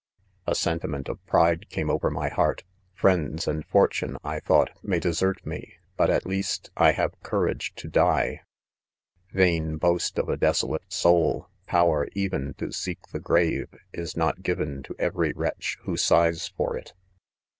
i A sentiment of pride came over my heart. Friends, and fortune, I thought,, may desert me,— but at least, I have courage to die. Vain boast of a desolate soul I power even to seek the grave, is not given to every wretch, .who sighs for it. f6 ■ 138 IDOMEN.